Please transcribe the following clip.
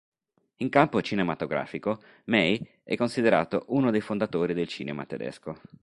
In campo cinematografico, May è considerato uno dei fondatori del cinema tedesco.